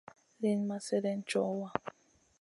Liyn ma slèdeyn co wa.